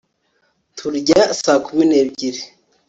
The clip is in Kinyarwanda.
turya saa kumi n'ebyiri